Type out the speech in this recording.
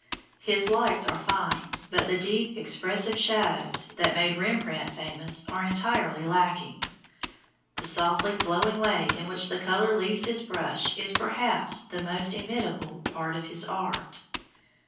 His lights are fine but the deep, expressive shadows that made Rembrandt famous are entirely lacking. The softly flowing way in which the color leaves his brush is, perhaps, the most inimitable part of his art.